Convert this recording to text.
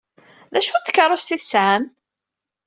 D acu n tkeṛṛust ay tesɛam?